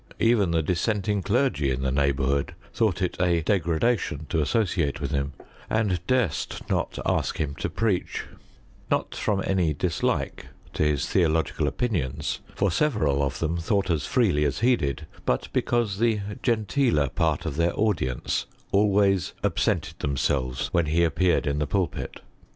Even the dissenting clergy in the neighbourhood thought it a degradation to associate with him, and durst not ask him to preach : not from any dislike to his theological opinions; for several of them thought as freely as he did ; but because the genteeler part of their audience always absented themselves when he appeared in the pulpit.